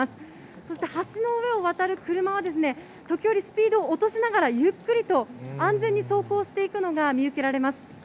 そして橋の上を渡る車は、時折、スピードを落としながら、ゆっくりと安全に走行していくのが見受けられます。